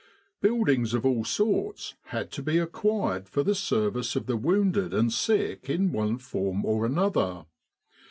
Build ings of all sorts had to be acquired for the service of the wounded and sick in one form or another.